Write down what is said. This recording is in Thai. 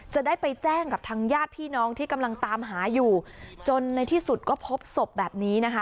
จะได้ไปแจ้งกับทางญาติพี่น้องที่กำลังตามหาอยู่จนในที่สุดก็พบศพแบบนี้นะคะ